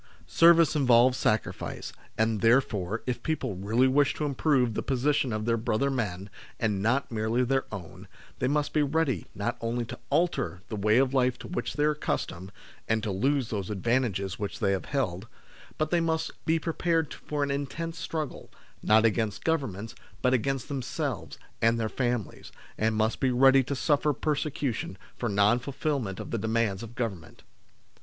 Service involves sacrifice, and there fore, if people really wish to improve the position of their brother men, and not merely their own, they must be ready not only to alter the way of life to which they are accustomed, and to lose those advantages which they have held, but they must be prepared for an intense struggle, not against Governments, but against themselves and their families, and must be ready to suffer persecution for non fulfilment of the demands of Government.